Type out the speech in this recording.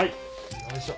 よいしょ。